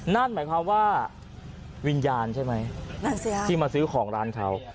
นั่นหมายความว่าวิญญาณใช่ไหมนั่นสิฮะที่มาซื้อของร้านเขา